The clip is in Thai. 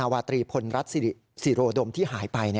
วาตรีพลรัฐศิโรดมที่หายไป